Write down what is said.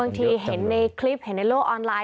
บางทีเห็นในคลิปเห็นในเรื่องออนไลน์